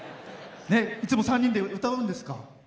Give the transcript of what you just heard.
いつも３人で歌うんですか？